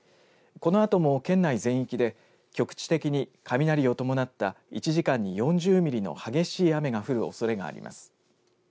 このあとも県内全域で局地的に雷を伴った１時間に４０ミリの激しい雨が降るおそれがあります。